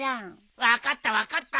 分かった分かった。